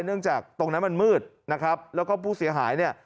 เนื่องจากตรงนั้นมันมืดนะครับแล้วก็ผู้เสียหายเนี่ย